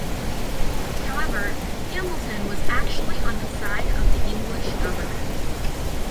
However, Hamilton was actually on the side of the English Government.